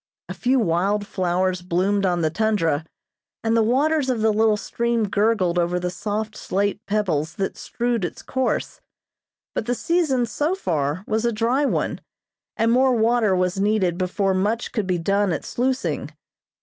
A few wild flowers bloomed on the tundra, and the waters of the little stream gurgled over the soft slate pebbles that strewed its course; but the season so far was a dry one, and more water was needed before much could be done at sluicing.